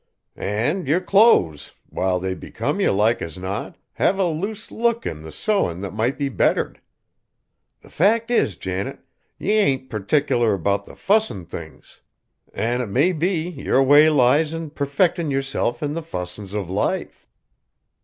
"An' yer clo'es, while they become ye like as not, have a loose look in the sewin' that might be bettered. The fact is, Janet, ye ain't pertikiler 'bout the fussin' things! An' it may be, yer way lies in perfectin' yerself in the fussin's of life."